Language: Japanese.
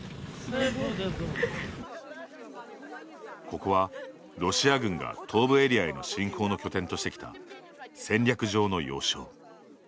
ここは、ロシア軍が東部エリアへの侵攻の拠点としてきた戦略上の要衝。